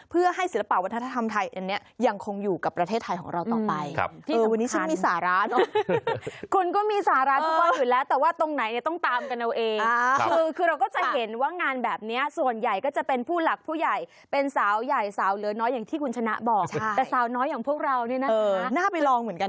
เพื่อให้ศิลปะวัฒนธรรมไทยอันนี้ยังคงอยู่กับประเทศไทยของเราต่อไป